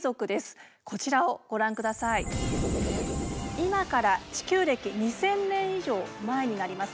今から地球歴２，０００年以上前になります。